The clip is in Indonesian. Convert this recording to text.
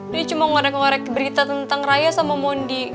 dia cuma ngorek ngorek berita tentang raya sama mondi